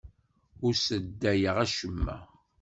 Ur sseddayeɣ acemma.